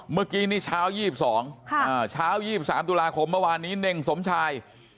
เมื่อกี้นี่เช้า๒๒เช้า๒๓ตุลาคมเมื่อวานนี้เน่งสมชาย